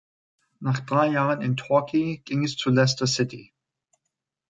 Nach drei Jahren in Torquay ging es zu Leicester City.